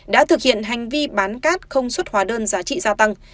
đã thực hiện hành vi bán cát không xuất hóa đơn giá trị gia tăng